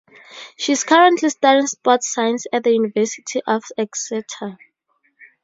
She is currently studying Sports Science at the University of Exeter.